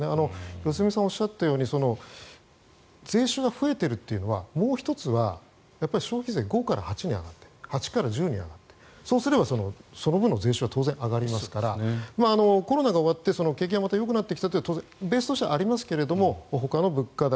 良純さんがおっしゃったように税収が増えているというのはもう１つは消費税、５から８に上がっている８から１０に上がってそうすれば、その分の税収は当然上がりますからコロナが終わって景気がまたよくなってきたというのはベースとしてはありますがほかの物価高